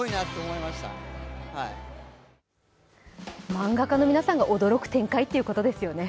漫画家の皆さんが驚く展開ということですよね。